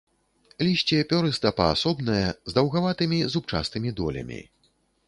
Лісце пёрыста-паасобнае, з даўгаватымі зубчастымі долямі.